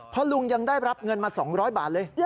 เพราะลุงยังได้รับเงินมา๒๐๐บาทเลย